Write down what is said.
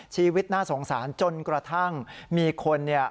ชีวิตน่าสงสารจนกระทั่งมีคนเนี่ย